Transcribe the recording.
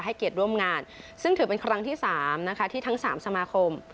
เกียรติร่วมงานซึ่งถือเป็นครั้งที่๓นะคะที่ทั้ง๓สมาคม